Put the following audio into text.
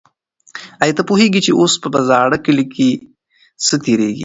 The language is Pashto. آیا ته پوهېږې چې اوس په زاړه کلي کې څه تېرېږي؟